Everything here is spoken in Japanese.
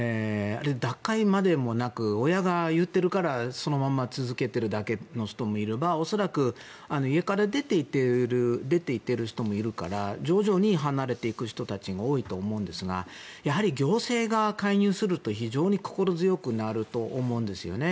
脱会までもなく親が言ってるからそのまま続けているだけの人もいれば恐らく、家から出て行っている人もいるから徐々に離れていく人たちが多いと思うんですがやはり行政が介入すると非常に心強くなると思います。